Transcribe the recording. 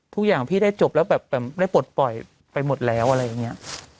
ทุกอย่างพี่ได้จบแล้วแบบได้ปลดปล่อยไปหมดแล้วอะไรอย่างนี้